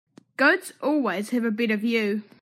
Goats always have a better view.